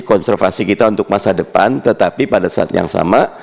konservasi kita untuk masa depan tetapi pada saat yang sama